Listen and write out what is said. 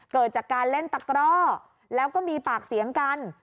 เกิดจากการเล่นตะกร่อแล้วก็มีปากเสียงกัน